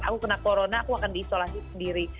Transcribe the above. aku kena corona aku akan diisolasi sendiri